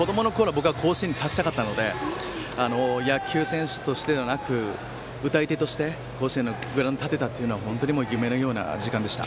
僕は甲子園に立ちたかったので野球選手としてではなく歌い手として甲子園のグラウンドに立てたというのは本当に夢のような時間でした。